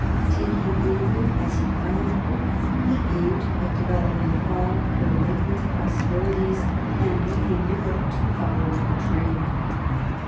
Taking England as he// found her, he aimed at developing all her latent possibiliy ties, and leading Europe to follow in her train.